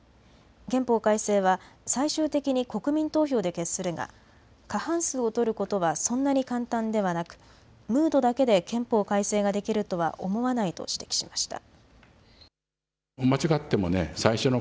憲法改正は最終的に国民投票で決するが過半数を取ることはそんなに簡単ではなくムードだけで憲法改正ができるとは思わないと指摘しました。